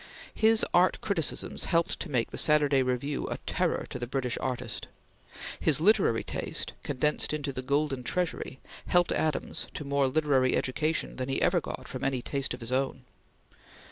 His art criticisms helped to make the Saturday Review a terror to the British artist. His literary taste, condensed into the "Golden Treasury," helped Adams to more literary education than he ever got from any taste of his own.